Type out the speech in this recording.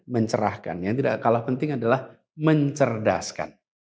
mencerahkan yang tidak kalah penting adalah mencerdaskan